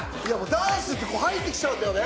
ダンスって入ってきちゃうんだよね。